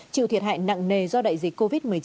chịu thiệt hại nặng nề do đại dịch covid một mươi chín